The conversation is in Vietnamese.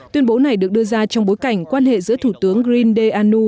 tuyên bố này được đưa ra trong bối cảnh quan hệ giữa thủ tướng rindeanu